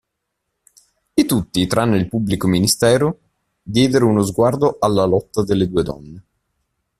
E tutti, tranne il pubblico ministero, diedero uno sguardo alla lotta delle due donne.